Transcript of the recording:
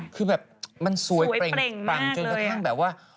คือแบบมันสวยเปล่นปำงในสักครู่แบบว่า